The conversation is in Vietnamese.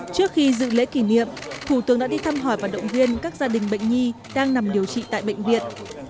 trước khi dự lễ kỷ niệm thủ tướng đã đi thăm hỏi và động viên các gia đình bệnh nhi đang nằm điều trị tại bệnh viện